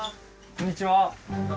こんにちは。